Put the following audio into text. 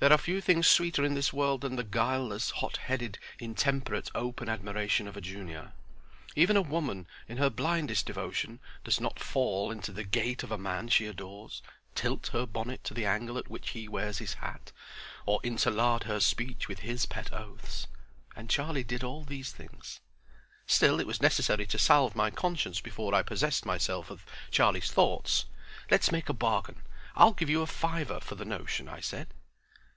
There are few things sweeter in this world than the guileless, hot headed, intemperate, open admiration of a junior. Even a woman in her blindest devotion does not fall into the gait of the man she adores, tilt her bonnet to the angle at which he wears his hat, or interlard her speech with his pet oaths. And Charlie did all these things. Still it was necessary to salve my conscience before I possessed myself of Charlie's thoughts. "Let's make a bargain. I'll give you a fiver for the notion," I said.